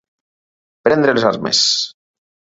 Prendre les armes.